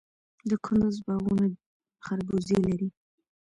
د کندز باغونه خربوزې لري.